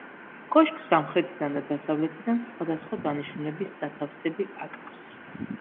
კოშკს სამხრეთიდან და დასავლეთიდან სხვადასხვა დანიშნულების სათავსები აკრავს.